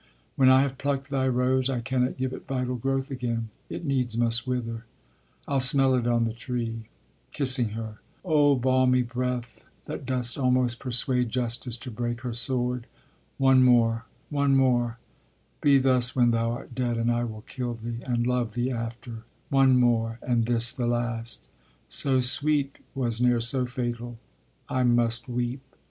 When I have plucked thy rose, I cannot give it vital growth again; It needs must wither: I'll smell it on the tree (kissing her) O balmy breath, that dost almost persuade Justice to break her sword: One more, one more: Be thus when thou art dead, and I will kill thee, And love thee after: One more and this the last: So sweet was ne'er so fatal. I must weep.